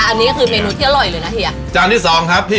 อันนี้ก็คือเมนูที่อร่อยเลยนะเฮียจานที่สองครับพี่